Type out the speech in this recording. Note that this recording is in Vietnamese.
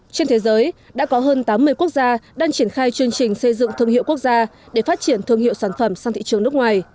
trên thế giới đã có hơn tám mươi quốc gia đang triển khai chương trình xây dựng thương hiệu quốc gia để phát triển thương hiệu sản phẩm sang thị trường nước ngoài